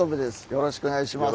よろしくお願いします。